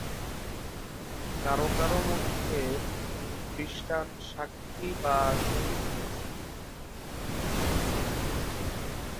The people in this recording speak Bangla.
কারও কারও মধ্যে তিনি খ্রীষ্টান সাক্ষী বা শহীদ হয়েছিলেন।